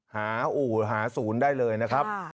อู่หาศูนย์ได้เลยนะครับ